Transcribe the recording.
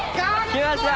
来ました。